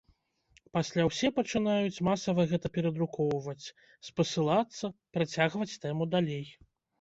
Пасля ўсе пачынаюць масава гэта перадрукоўваць, спасылацца, працягваць тэму далей.